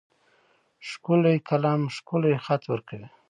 ښکلی قلم ښکلی خط ورکوي.